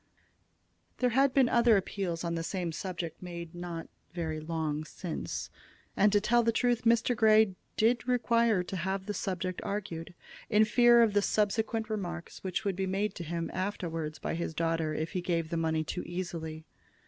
There had been other appeals on the same subject made not very long since, and, to tell the truth, Mr. Grey did require to have the subject argued, in fear of the subsequent remarks which would be made to him afterward by his daughter if he gave the money too easily.